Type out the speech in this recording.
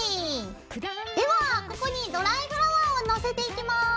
ではここにドライフラワーをのせていきます。